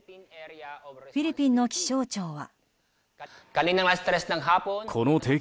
フィリピンの気象庁は。